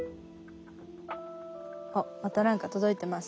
あっまた何か届いてます。